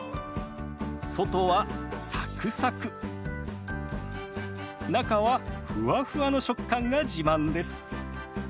外はサクサク中はふわふわの食感が自慢です。